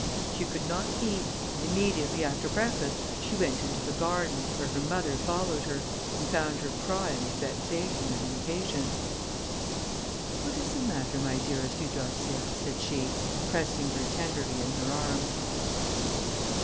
She could not eat, and immediately after breakfast, she went into the garden, where her mother followed her, and found her crying with vexation and impatience. "What is the matter, my dearest Eudoxia?" said she, pressing her tenderly in her arms.